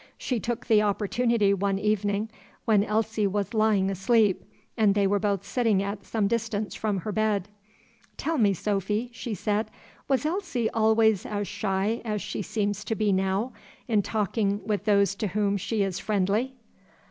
She took the opportunity one evening when Elsie was lying asleep and they were both sitting at some distance from her bed. "Tell me, Sophy," she said, "was Elsie always as shy as she seems to be now, in talking with those to whom she is friendly?"